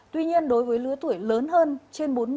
tuy nhiên đối với lứa tuổi lớn hơn trên bốn mươi